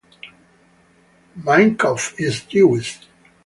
Minkoff is Jewish.